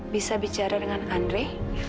bisa bicara dengan andrei